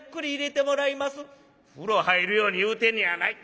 「風呂入るように言うてんねやない。